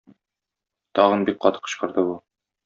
Тагын бик каты кычкырды бу.